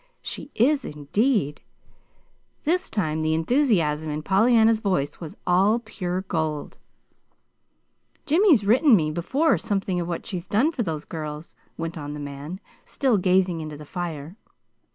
"She is, indeed!" This time the enthusiasm in Pollyanna's voice was all pure gold. "Jimmy's written me before something of what she's done for those girls," went on the man, still gazing into the fire.